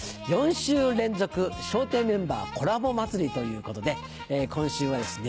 ４週連続笑点メンバーコラボまつりということで今週はですね